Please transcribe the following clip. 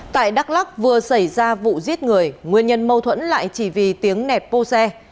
tại đắk lắc vừa xảy ra vụ giết người nguyên nhân mâu thuẫn lại chỉ vì tiếng nẹt bô xe